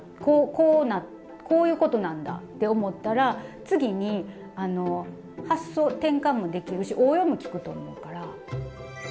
こうこういうことなんだって思ったら次に発想転換もできるし応用も利くと思うから。